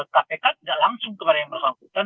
kpk tidak langsung kepada yang bersangkutan